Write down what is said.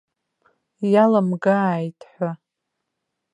Иаламгааит ҳәа.